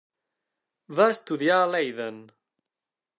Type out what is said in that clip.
Va estudiar a Leiden.